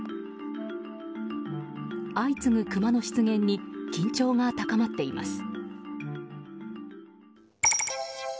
相次ぐクマの出現に緊張が高まっています。